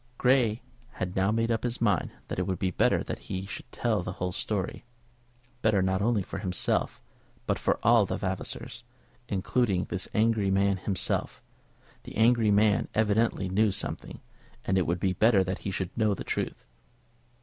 Grey had now made up his mind that it would be better that he should tell the whole story, better not only for himself, but for all the Vavasors, including this angry man himself. The angry man evidently knew something, and it would be better that he should know the truth.